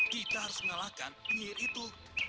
kita harus mengalahkan penyihir itu